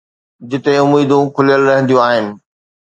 جتي اميدون کليل رهنديون آهن.